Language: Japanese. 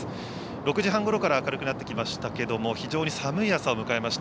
６時半ごろから明るくなってきましたけども、非常に寒い朝を迎えました。